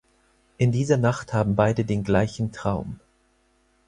In dieser Nacht haben beide den gleichen Traum.